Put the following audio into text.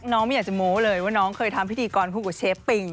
ไม่อยากจะโม้เลยว่าน้องเคยทำพิธีกรคู่กับเชฟปิง